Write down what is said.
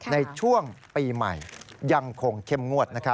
ในช่วงปีใหม่ยังคงเข้มงวด